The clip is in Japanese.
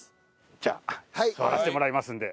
じゃあ座らせてもらいますので。